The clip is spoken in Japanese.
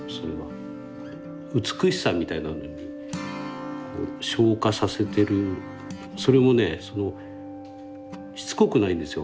美しさみたいなのに昇華させてるそれもねしつこくないんですよ。